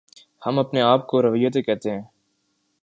ہم اپنے آپ کو روایتی کہتے ہیں۔